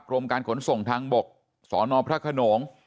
กรมการขนส่งทางบกสนพระขนง